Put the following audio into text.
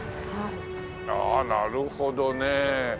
ああなるほどね。